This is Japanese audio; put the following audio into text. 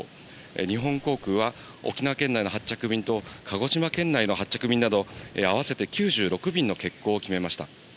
日本航空は沖縄県内の発着便と鹿児島県内の発着便など、合わせて９６便の欠航を決めました。